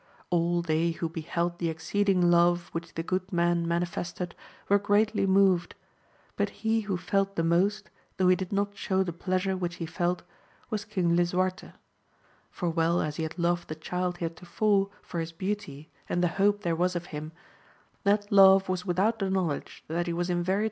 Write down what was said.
All they who beheld the exceeding love which the good man manifested were greatly moved, but he who felt the most, though he did not show the pleasure which he felt, was Bang Lisuarte ; for well as he had loved the child heretofore for his beauty, and the hope there was of him, that love was without the knowledge that he was in very 208 AMADIS OF GAUL.